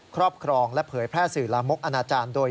ครอบครองและเผยแพร่สื่อลามกอนาจารย์โดย